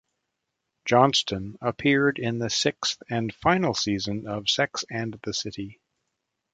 Johnston appeared in the sixth and final season of "Sex and the City".